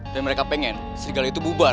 dan mereka pengen serigala itu bubar